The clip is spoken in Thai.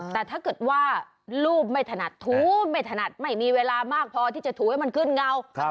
แต่ถ้าเกิดว่ารูปไม่ถนัดถูไม่ถนัดไม่มีเวลามากพอที่จะถูให้มันขึ้นเงา